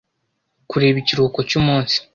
Kureba ikiruhuko cy'umunsi!